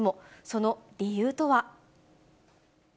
その理由とは。